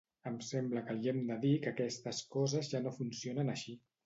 Em sembla que li hem de dir que aquestes coses ja no funcionen així.